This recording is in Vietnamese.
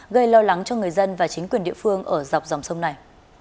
gây lo lắng cho người dân và chính quyền địa phương ở dọc dòng sông này